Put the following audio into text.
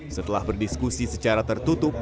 setelah berdiskusi secara tertutup